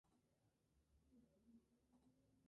Este mito era cíclico, se repetía cada año.